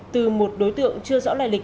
từ một đối tượng chưa rõ lại lịch